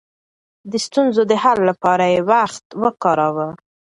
د ستونزو د حل لپاره يې وخت ورکاوه.